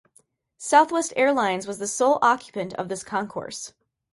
Southwest Airlines was the sole occupant of this concourse.